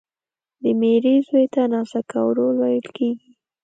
د ميرې زوی ته ناسکه ورور ويل کیږي